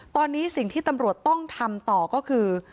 ตอนนี้สิ่งที่ตำรวจต้องทำต่อก็คือ